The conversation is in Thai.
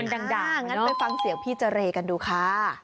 มันด่างนะงั้นไปฟังเสียวพี่เจอร์เรกันดูค่ะ